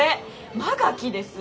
馬垣です！